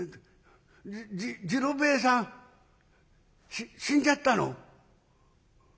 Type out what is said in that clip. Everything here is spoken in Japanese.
じ次郎兵衛さんし死んじゃったの？